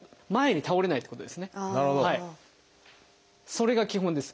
それが基本です。